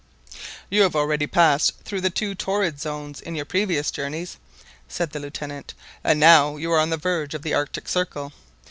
"You have already passed through the two Torrid Zones in your previous journeys," said the Lieutenant, "and now you are on the verge of the Arctic Circle.